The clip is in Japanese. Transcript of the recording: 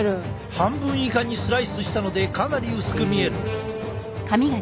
半分以下にスライスしたのでかなり薄く見える。